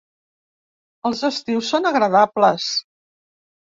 Els estius són agradables.